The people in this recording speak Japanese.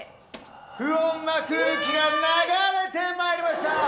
不穏な空気が流れてまいりました。